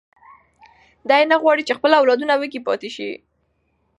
دی نه غواړي چې خپل اولادونه وږي پاتې شي.